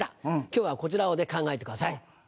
今日はこちらを考えてください。